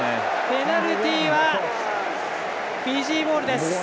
ペナルティはフィジーボール。